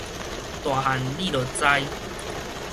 大漢你就知